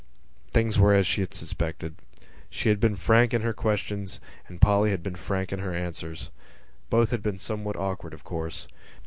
Things were as she had suspected: she had been frank in her questions and Polly had been frank in her answers. Both had been somewhat awkward, of course.